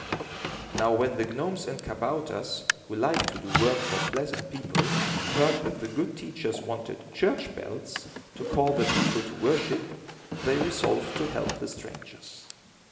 Now when the gnomes and kabouters, who like to do work for pleasant people, heard that the good teachers wanted church bells, to call the people to worship, they resolved to help the strangers.